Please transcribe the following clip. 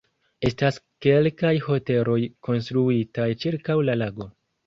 Estas kelkaj hoteloj konstruitaj ĉirkaŭ la lago.